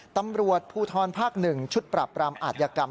ตำรวจภูทรภาค๑ชุดปรับปรามอาทยากรรม